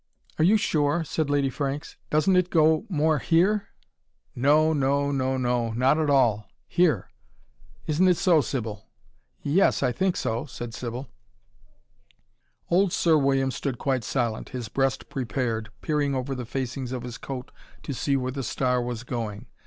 "Are you sure?" said Lady Franks. "Doesn't it go more here?" "No no, no no, not at all. Here! Isn't it so, Sybil?" "Yes, I think so," said Sybil. Old Sir William stood quite silent, his breast prepared, peering over the facings of his coat to see where the star was going.